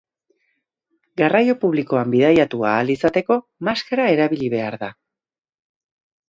Garraio publikoan bidaiatu ahal izateko, maskara erabili behar da.